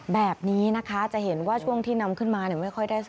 แบบนี้นะคะจะเห็นว่าช่วงที่นำขึ้นมาไม่ค่อยได้